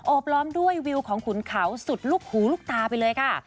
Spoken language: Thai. บล้อมด้วยวิวของขุนเขาสุดลูกหูลูกตาไปเลยค่ะ